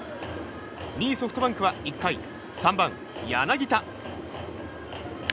２位、ソフトバンクは１回３番、柳田！